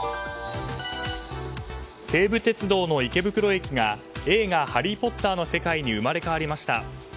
西武鉄道の池袋駅が映画「ハリー・ポッター」の世界に生まれ変わりました。